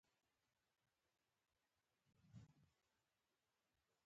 څو ښاريان له يو منظم،